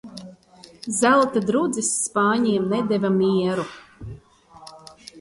Zelta drudzis spāņiem nedeva mieru.